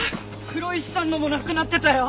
黒石さんのもなくなってたよ！